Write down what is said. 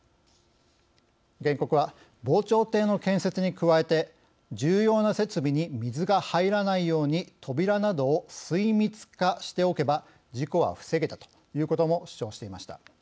原告は防潮堤の建設に加えて重要な設備に水が入らないように扉などを水密化しておけば事故は防げたということも主張していました。